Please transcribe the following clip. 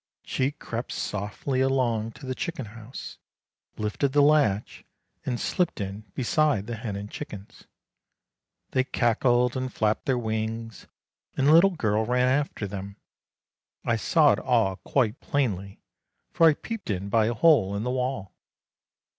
She crept softly along to the chicken house, lifted the latch and slipped in beside the hen and chickens. They cackled and flapped their wings and the little girl ran after them. I saw it all quite plainly, for I peeped in by a hole in the wall.